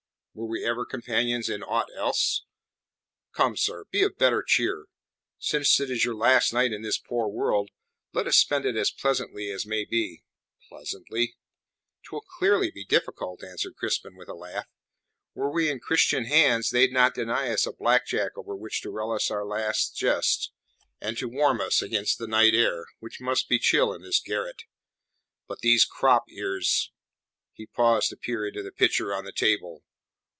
"Were we ever companions in aught else? Come, sir, be of better cheer. Since it is to be our last night in this poor world, let us spend it as pleasantly as may be." "Pleasantly?" "Twill clearly be difficult," answered Crispin, with a laugh. "Were we in Christian hands they'd not deny us a black jack over which to relish our last jest, and to warm us against the night air, which must be chill in this garret. But these crop ears..." He paused to peer into the pitcher on the table.